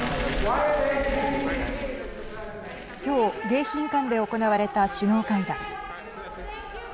きょう迎賓館で行われた首脳会談。